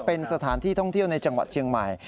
เป็นสถานที่ท่องเที่ยวในจังหวัดเชียงใหม่